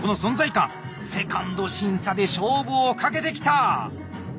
２ｎｄ審査で勝負をかけてきた！